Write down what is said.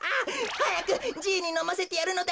はやくじいにのませてやるのだ。